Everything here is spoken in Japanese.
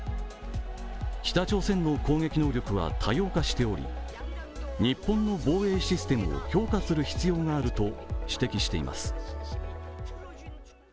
北朝鮮の攻撃能力は多様化しており日本の防衛システムを強化する必要があると指摘しています。